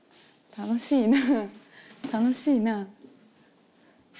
楽しいな。